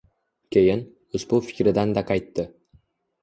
Keyin, ushbu fikridan-da qaytdi.